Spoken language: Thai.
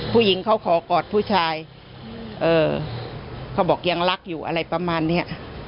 ผู้หญิงเขาขอกอดผู้ชายเขาบอกยังรักอยู่อะไรประมาณเนี้ย